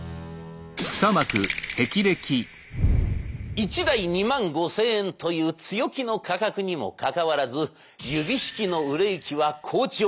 １台２万５，０００円という強気の価格にもかかわらず指式の売れ行きは好調。